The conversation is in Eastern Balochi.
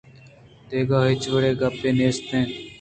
دگہ ہچ وڑیں گپےّ نیست اِنت